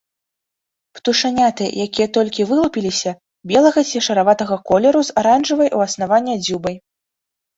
Птушаняты, якія толькі вылупіліся, белага ці шараватага колеру з аранжавай ў аснавання дзюбай.